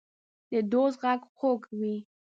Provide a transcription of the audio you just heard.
د دوست غږ خوږ وي.